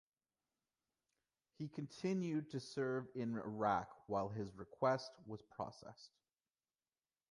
He continued to serve in Iraq while his request was processed.